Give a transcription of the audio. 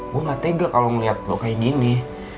gue nggak tega kalau ngeliat lo kayak gini